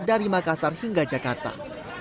dari makassar hingga jakarta